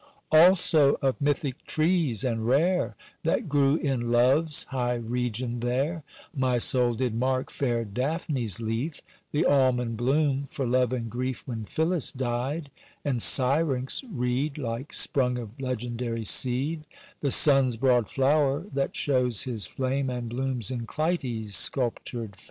Also of mythic trees and rare That grew in love's high region there, My soul did mark fair Daphne's leaf; The almond bloom, for love and grief, When Phillis died; and Syrinx' reed, Like sprung of legendary seed, The sun's broad flower, that shows his flame And blooms in Clyte's sculptured fame.